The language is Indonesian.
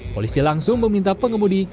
polisi langsung meminta pengemudi